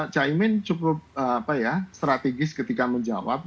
caimin cukup strategis ketika menjawab